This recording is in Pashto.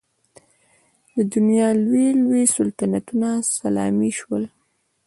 د دنیا لوی لوی سلطنتونه سلامي شول.